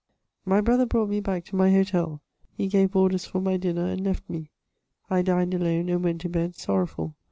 My brother brought me back to my hotel ; he gave orders for my dinner and left me. I dined alone and went to bed sorrowful.